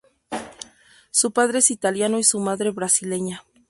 Su padre es italiano y su madre brasileña.